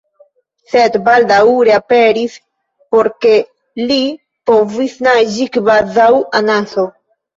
sed baldaŭ reaperis por ke, li povis naĝi kvazaŭ anaso.